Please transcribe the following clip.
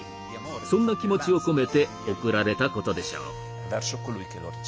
そんな気持ちを込めて贈られたことでしょう。